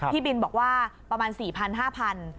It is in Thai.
พี่บินบอกว่าประมาณ๔๐๐๕๐๐บาท